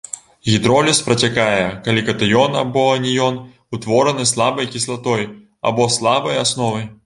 Гідроліз працякае, калі катыён або аніён утвораны слабай кіслатой або слабай асновай.